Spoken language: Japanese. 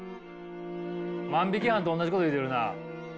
万引き犯とおんなじこと言うてるな。